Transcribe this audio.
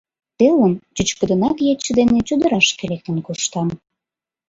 Телым чӱчкыдынак ече дене чодырашке лектын коштам.